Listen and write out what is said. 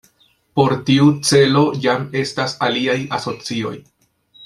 Por tiu celo jam estas aliaj asocioj.